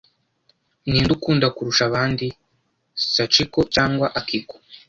Ninde ukunda kurusha abandi, Sachiko cyangwa Akiko?